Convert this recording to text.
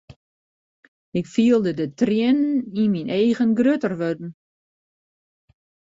Ik fielde de triennen yn myn eagen grutter wurden.